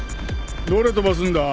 どれ飛ばすんだ？